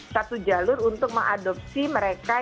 satu jalur untuk mengadopsi mereka